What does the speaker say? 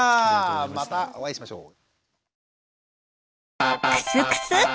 またお会いしましょう。